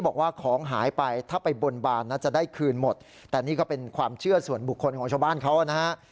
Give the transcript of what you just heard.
บอกว่าของหายไปถ้าไปบนบานนะจะได้คืนหมดแต่นี่ก็เป็นความเชื่อส่วนบุคคลของชาวบ้านเขานะฮะ